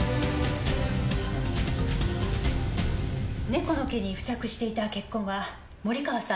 猫の毛に付着していた血痕は森川さんのものでした。